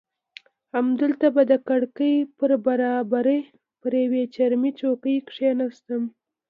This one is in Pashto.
همالته به د کړکۍ پر برابري پر یوې چرمي چوکۍ کښېناستم.